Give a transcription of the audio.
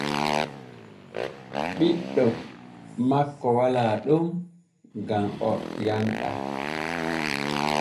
Ɓiɗɗo makko walaa ɗon gam o yanɗaa.